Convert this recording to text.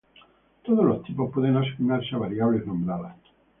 Todos los tipos pueden asignarse a variables nombradas.